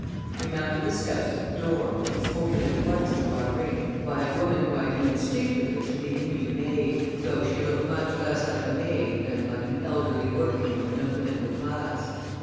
We mounted the steps to the door, which was opened at once to our ring by a woman whom I knew instinctively to be the new maid, though she looked much less like a maid than like an elderly working woman of the middle class.